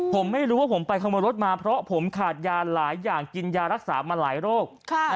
ผมไม่รู้ว่าผมไปขโมยรถมาเพราะผมขาดยาหลายอย่างกินยารักษามาหลายโรค